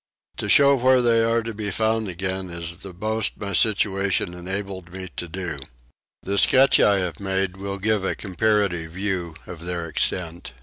To show where they are to be found again is the most my situation enabled me to do. The sketch I have made will give a comparative view of their extent.